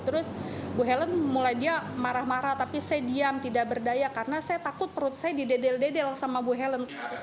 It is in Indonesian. terus bu helen mulai dia marah marah tapi saya diam tidak berdaya karena saya takut perut saya didedel dedel sama bu helen